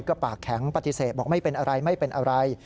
ก็ปากแข็งปฏิเสธบอกไม่เป็นอะไรไม่เป็นอะไร